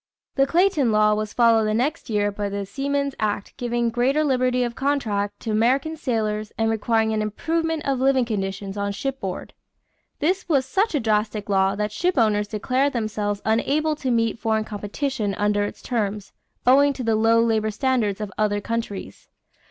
The Clayton law was followed the next year by the Seamen's Act giving greater liberty of contract to American sailors and requiring an improvement of living conditions on shipboard. This was such a drastic law that shipowners declared themselves unable to meet foreign competition under its terms, owing to the low labor standards of other countries.